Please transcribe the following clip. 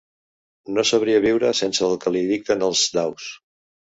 No sabria viure sense el que li dicten els daus.